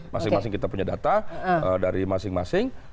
masing masing kita punya data dari masing masing